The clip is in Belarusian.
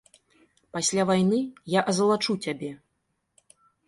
Пасля вайны я азалачу цябе.